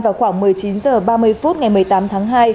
vào khoảng một mươi chín h ba mươi phút ngày một mươi tám tháng hai